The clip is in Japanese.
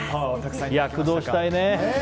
躍動したいね！